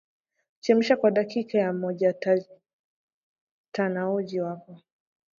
Chemsha kwa dakika mojatanouji wako